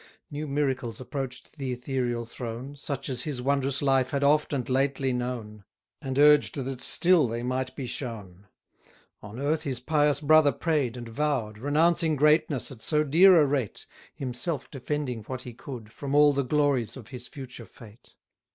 New miracles approach'd the ethereal throne, Such as his wondrous life had oft and lately known, And urged that still they might be shown. On earth his pious brother pray'd and vow'd, Renouncing greatness at so dear a rate, Himself defending what he could, From all the glories of his future fate.